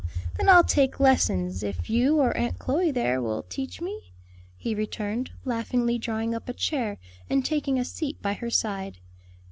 then I'll take lessons, if you, or Aunt Chloe there will teach me," he returned, laughingly drawing up a chair and taking a seat by her side.